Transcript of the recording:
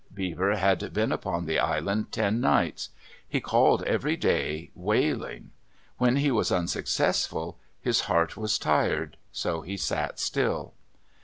Beaver had been upon the island ten nights. He called every day, wailing. When he was unsuccessful, his heart was tired. So he sat still.